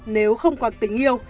nếu không còn tình yêu